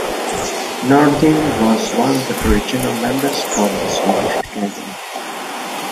Nordin was one of the original members of the Swedish Academy.